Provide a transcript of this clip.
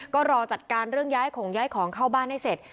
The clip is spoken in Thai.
ก็รอจัดการเรื่องย้ายของย้ายของเข้าบ้านให้เสร็จ